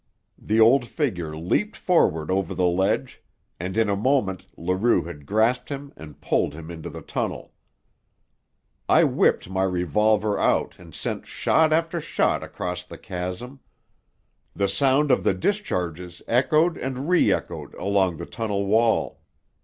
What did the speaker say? The old figure leaped forward over the ledge, and in a moment Leroux had grasped him and pulled him into the tunnel. I whipped my revolver out and sent shot after shot across the chasm. The sound of the discharges echoed and re echoed along the tunnel wall.